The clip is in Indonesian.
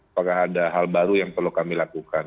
apakah ada hal baru yang perlu kami lakukan